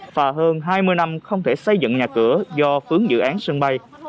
và hơn hai mươi năm không thể xây dựng nhà cửa do vướng dự án sân bay